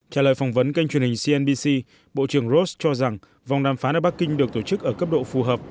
trả lời phỏng vấn kênh truyền hình cnbc bộ trưởng ross cho rằng vòng đàm phán ở bắc kinh được tổ chức ở cấp độ phù hợp